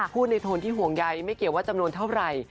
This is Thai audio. พูดในโทนที่ห่วงใยไม่เกี่ยวว่าจำนวนเท่าไหร่